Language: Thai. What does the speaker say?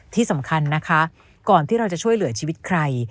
ที่สำคัญนะคะก่อนที่เราจะช่วยเหลือชีวิตใคร